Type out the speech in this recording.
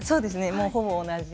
もうほぼ同じ。